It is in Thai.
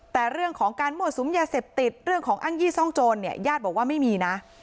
แต่เรื่องของการมั่วสุมยาเสพติดเรื่องของอ้างยี่ซ่องโจรเนี่ยญาติบอกว่าไม่มีนะ